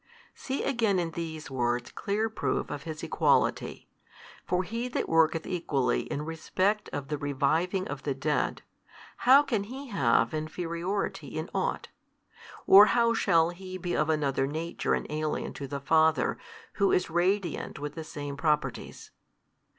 See again in these words clear proof of His Equality. For He That worketh equally in respect of the reviving of the dead, how can He have inferiority in ought? or how shall He be of another nature and alien to the Father Who is radiant with the Same Properties?